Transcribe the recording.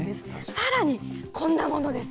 さらにこんなものです。